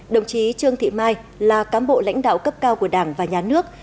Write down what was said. đồng chí trương thị mai là cám bộ lãnh đạo cấp cao của đảng và nhà nước